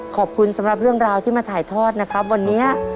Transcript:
สำหรับเรื่องราวที่มาถ่ายทอดนะครับวันนี้